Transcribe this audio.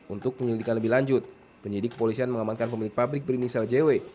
untuk penyelidikan lebih lanjut penyidik polisian mengamankan pemilik pabrik berinisial jw